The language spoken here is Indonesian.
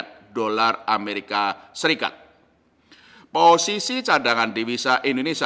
frequencies dari perubahan dunia bagi indonesia